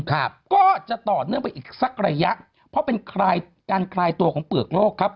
ครับก็จะต่อเนื่องไปอีกสักระยะเพราะเป็นคลายการคลายตัวของเปลือกโลกครับ